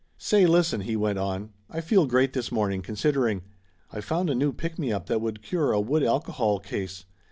"Say, listen," he went on, "I feel great this morning, considering. I found a new pick me up that would cure a wood alcohol case.